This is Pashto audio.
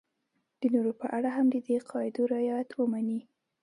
د نورو په اړه هم د دې قاعدو رعایت ومني.